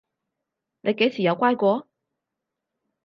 你幾時有乖過？